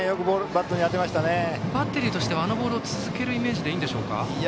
バッテリーとしてはあのボールを続けるイメージでいいんでしょうか。